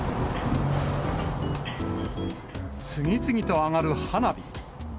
次々と上がる花火。